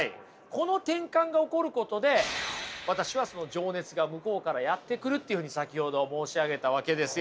この転換が起こることで私はその情熱が向こうからやってくるっていうふうに先ほど申し上げたわけですよ。